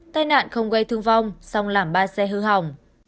tai nạn không gây thương vong song làm ba xe hư hỏng